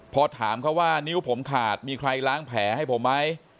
พอถามเขาว่านิ้วผมขาดมีใครล้างแผลให้ผมไหม